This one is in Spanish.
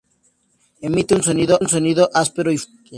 Emite un sonido áspero y fuerte.